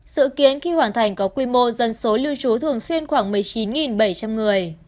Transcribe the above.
sự kiến khi hoàn thành có quy mô dân số lưu trú thường xuyên khoảng một mươi chín bảy trăm linh người